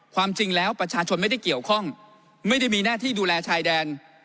ความจริงแล้วประชาชนไม่ได้เกี่ยวข้องไม่ได้มีหน้าที่ดูแลชายแดน